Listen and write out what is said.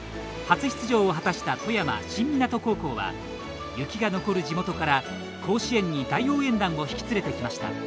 初出場を果たした富山・新湊高校は雪が残る地元から甲子園に大応援団を引き連れてきました。